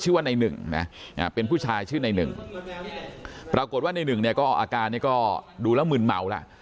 ว่าในหนึ่งนะเป็นผู้ชายชื่อในหนึ่งปรากฏว่าในหนึ่งเนี่ยก็อาการเนี่ยก็ดูแล้วมึนเมาล่ะ